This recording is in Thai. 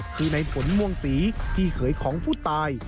คือในผลม่วงศรีพี่เขยของผู้ตาย